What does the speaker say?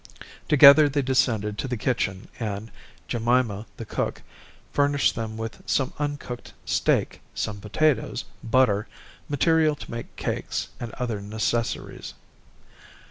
Together they descended to the kitchen, and Jemima, the cook, furnished them with some uncooked steak, some potatoes, butter, material to make cakes, and other necessaries.